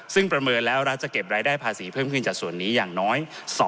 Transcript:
ซึ่งประเมินแล้วรัฐจะเก็บรายได้ภาษีเพิ่มขึ้นจากส่วนนี้อย่างน้อย